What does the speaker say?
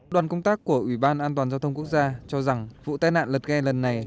đoàn công tác của ủy ban an toàn giao thông quốc gia cho rằng vụ tai nạn lật ghe lần này